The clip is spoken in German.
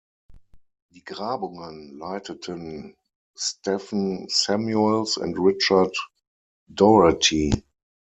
Die Grabungen leiteten Stephen Samuels und Richard Daugherty.